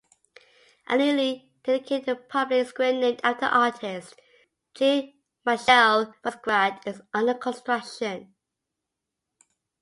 A newly dedicated public square named after the artist Jean-Michel Basquiat is under construction.